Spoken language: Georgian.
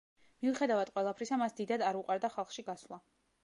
მიუხედავად ყველაფრისა, მას დიდად არ უყვარდა ხალხში გასვლა.